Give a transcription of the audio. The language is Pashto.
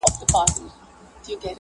o چي مي بایللی و، وه هغه کس ته ودرېدم .